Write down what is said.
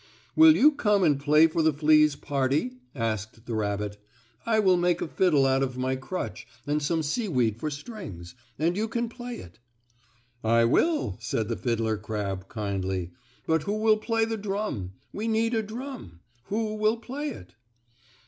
"Will you come and play for the fleas' party?" asked the rabbit. "I will make a fiddle out of my crutch and some seaweed for strings, and you can play it." "I will," said the fiddler crab, kindly, "but who will play the drum? We need a drum. Who will play it?"